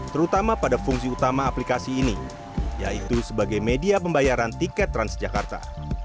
terutama pada fungsi utama aplikasi ini yaitu sebagai media pembayaran tiket transjakarta